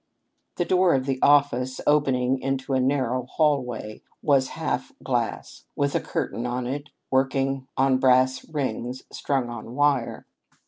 The door of the office opening into a narrow hall way was half glass, with a curtain on it working on brass rings strung on wire.